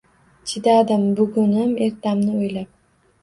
Chidadim bugunim, ertamni o‘ylab.